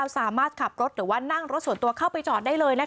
สามารถขับรถหรือว่านั่งรถส่วนตัวเข้าไปจอดได้เลย